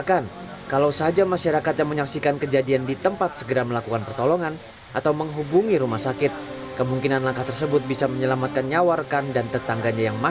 kini kasus kecelakaan maut masih di tangan nepalres subang dan baru menetapkan sopirnya menjadi tersangka